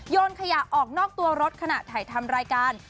นขยะออกนอกตัวรถขณะถ่ายทำรายการ